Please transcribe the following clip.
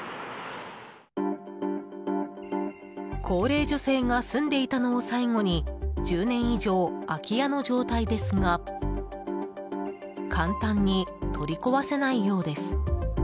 高齢女性が住んでいたのを最後に１０年以上、空き家の状態ですが簡単に取り壊せないようです。